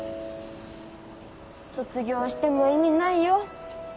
卒業しても意味ないよ。